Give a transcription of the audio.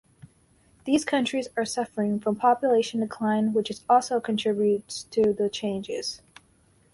These counties are suffering from population decline, which also contributes to the changes.